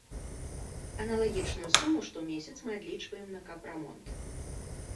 Аналагічную суму штомесяц мы адлічваем на капрамонт.